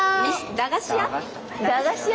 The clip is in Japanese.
駄菓子屋。